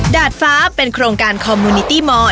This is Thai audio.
ดาดฟ้าเป็นโครงการคอมมูนิตี้มอร์